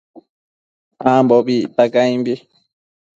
Ambobi icta caimbi